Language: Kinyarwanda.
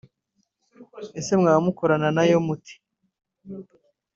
ese mwaba mukorana nayo mute